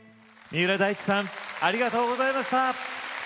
三浦大知さんありがとうございました。